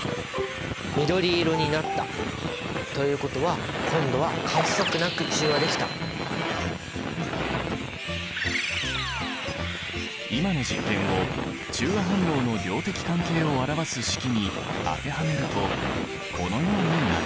緑色になった！ということは今度は今の実験を中和反応の量的関係を表す式に当てはめるとこのようになる。